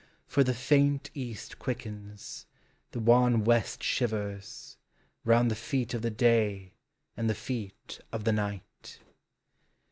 For the faint east quickens, the wan west shivers, Round the feet, of the day and the feel ol the night.